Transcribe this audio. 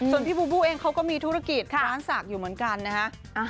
ส่วนพี่บูบูเองเขาก็มีธุรกิจร้านศักดิ์อยู่เหมือนกันนะฮะ